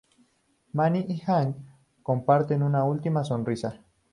Manny y Hank comparten una última sonrisa.